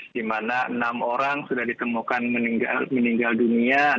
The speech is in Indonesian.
di mana enam orang sudah ditemukan meninggal dunia